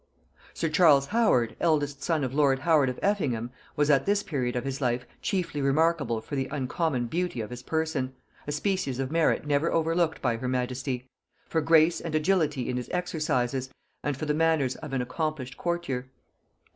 Sir Charles Howard, eldest son of lord Howard of Effingham, was at this period of his life chiefly remarkable for the uncommon beauty of his person, a species of merit never overlooked by her majesty, for grace and agility in his exercises, and for the manners of an accomplished courtier.